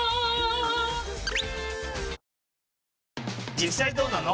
実際どうなの？